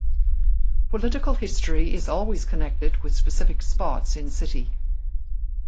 Political history is always connected with specific spots in city.